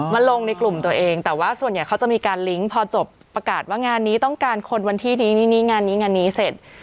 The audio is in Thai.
ลงในกลุ่มตัวเองแต่ว่าส่วนใหญ่เขาจะมีการลิงก์พอจบประกาศว่างานนี้ต้องการคนวันที่นี้งานนี้งานนี้เสร็จ